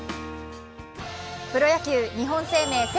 プロ野球日本生命セ